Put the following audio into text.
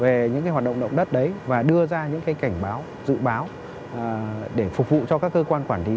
về những hoạt động động đất đấy và đưa ra những cảnh báo dự báo để phục vụ cho các cơ quan quản lý